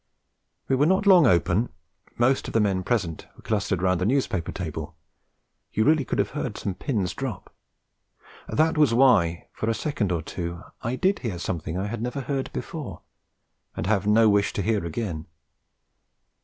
We were not long open; most of the men present were clustered round the newspaper table; you really could have heard some pins drop. That was why, for a second or two, I did hear something I had never heard before, and have no wish to hear again.